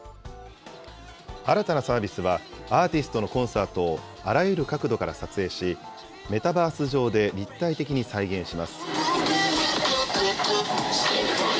新たなサービスは、アーティストのコンサートをあらゆる角度から撮影し、メタバース上で立体的に再現します。